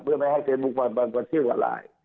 เพื่อไม่ให้เทนบุ๊คมันบันกว่าเชี่ยวกับไลน์